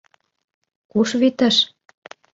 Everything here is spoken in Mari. Куш витыш?